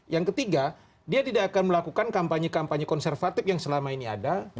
yang ketiga dia tidak akan melakukan kampanye kampanye konservatif yang selama ini ada